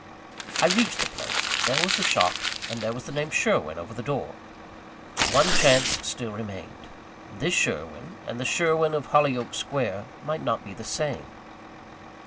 I reached the place: there was the shop, and there the name "Sherwin" over the door. One chance still remained. This Sherwin and the Sherwin of Hollyoake Square might not be the same.